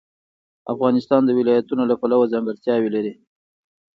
افغانستان د ولایتونو له پلوه ځانګړتیاوې لري.